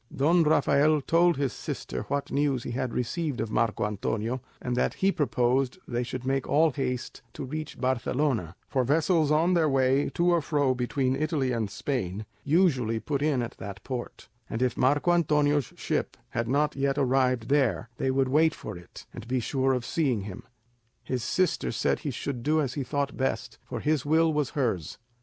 Don Rafael told his sister what news he had received of Marco Antonio, and that he proposed they should make all haste to reach Barcelona; for vessels on their way to or fro between Italy and Spain usually put in at that port; and if Marco Antonio's ship had not yet arrived there, they would wait for it, and be sure of seeing him. His sister said he should do as he thought best, for his will was hers.